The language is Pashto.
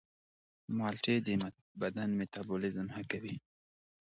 مالټې د بدن میتابولیزم ښه کوي.